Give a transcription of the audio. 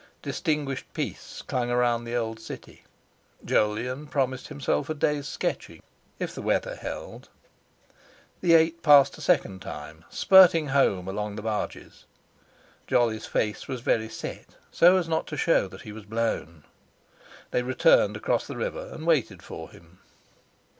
Distinguished peace clung around the old city; Jolyon promised himself a day's sketching if the weather held. The Eight passed a second time, spurting home along the Barges—Jolly's face was very set, so as not to show that he was blown. They returned across the river and waited for him.